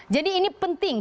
jadi ini penting